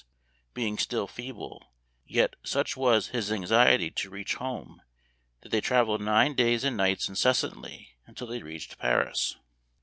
being still feeble ; yet such was his anxiety to reach home that they traveled nine days and nights incessantly until they reached Paris.